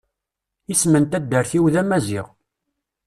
Isem n taddart-iw d amaziɣ.